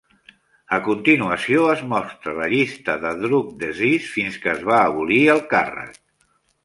A continuació es mostra la llista de Druk Desis fins que es va abolir el càrrec.